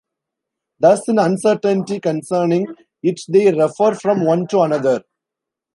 Thus in uncertainty concerning it they refer from one to another.